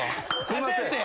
すいません。